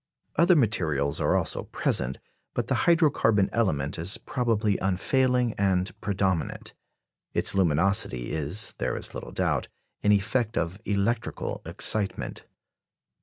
Other materials are also present; but the hydro carbon element is probably unfailing and predominant. Its luminosity is, there is little doubt, an effect of electrical excitement.